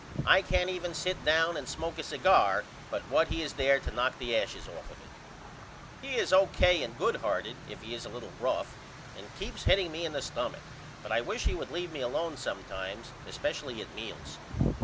I can't even sit down and smoke a cigar but what he is there to knock the ashes off of it. He is O.K. and good hearted if he is a little rough and keeps hitting me in the stumach but I wish he would leave me alone sometimes espesially at meals.